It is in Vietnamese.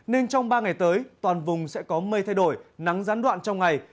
nên trong ba ngày tới toàn vùng sẽ có mây thay đổi nắng gián đoạn trong ngày